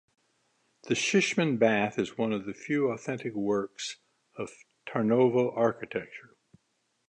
The Shishman bath is one of the few authentic works of Tarnovo architecture.